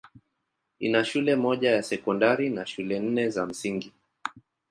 Ina shule moja ya sekondari na shule nne za msingi.